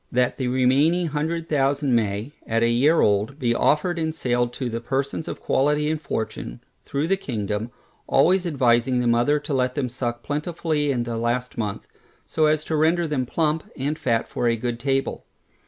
That the remaining hundred thousand may, at a year old, be offered in sale to the persons of quality and fortune, through the kingdom, always advising the mother to let them suck plentifully in the last month, so as to render them plump, and fat for a good table.